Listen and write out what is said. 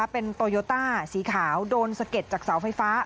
เป็นโตโยต้าสีขาวโดนสะเก็ดจากเสาไฟฟ้า